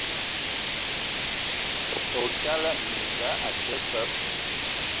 O tala minga a te beb!